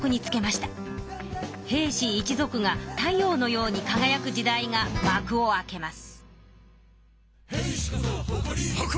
平氏一族が太陽のようにかがやく時代がまくを開けます。